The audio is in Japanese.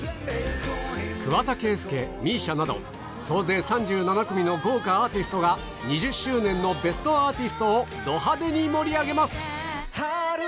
桑田佳祐ＭＩＳＩＡなど総勢３７組の豪華アーティストが２０周年の『ＢｅｓｔＡｒｔｉｓｔ』をド派手に盛り上げます